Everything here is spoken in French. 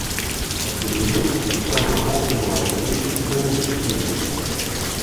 À ce niveau, il forme un renflement appelé citerne de chyle.